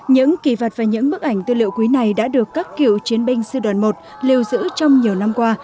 những kỳ vật và những bức ảnh tư liệu quý này đã được các cựu chiến binh sư đoàn một lưu giữ trong nhiều năm qua